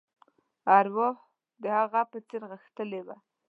ارواح د هغه په څېر غښتلې وه.